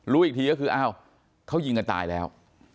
รู้อีกทีก็คืออ้าวเขายิงกันตายแล้ว